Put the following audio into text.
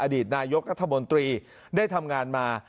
อดีตนายกรัฐมนตรีได้ทำงานมา